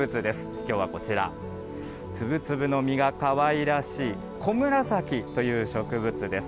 きょうはこちら、粒々の実がかわいらしい、コムラサキという植物です。